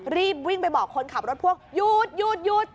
รีบวิ่งไปบอกคนขับรถพ่วงหยุดหยุด